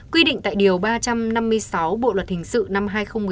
quy định tại điều ba trăm năm mươi sáu bộ luật hình sự năm hai nghìn một mươi